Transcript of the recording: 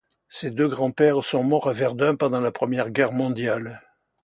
Ses deux grands-pères sont morts à Verdun pendant la Première Guerre mondiale.